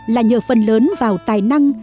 là nhờ phần lớn vào tài năng